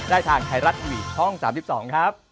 ได้ทางไทรัตวิชช่อง๓๒ครับ